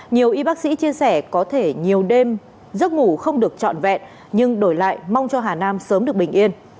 nhiều y bác sĩ chia sẻ có thể nhiều đêm giấc ngủ không được trọn vẹn nhưng đổi lại mong cho hà nam sớm được bình yên